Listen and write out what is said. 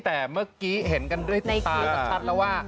แต่เมื่อกี้เห็นกันด้วยซะ